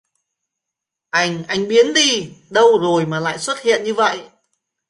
anh anh biến đi đâu rồi mà lại xuất hiện như vậy